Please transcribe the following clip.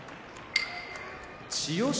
千代翔